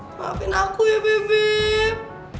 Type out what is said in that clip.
maafin aku ya bebep